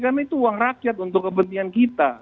karena itu uang rakyat untuk kepentingan kita